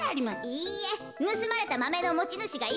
いいえぬすまれたマメのもちぬしがいるいじょう